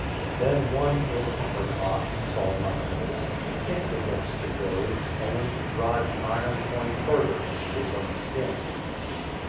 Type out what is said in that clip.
Then one ill tempered ox (Saul might notice) kicked against the goad, only to drive the iron point further into his own skin.